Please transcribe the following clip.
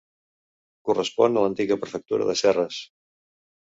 Correspon a l'antiga prefectura de Serres.